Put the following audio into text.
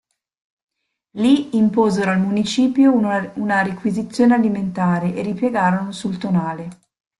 Lì imposero al municipio una requisizione alimentare e ripiegarono sul Tonale.